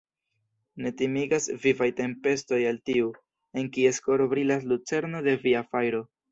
Ne timigas vivaj tempestoj al tiu, en kies koro brilas lucerno de Via fajro.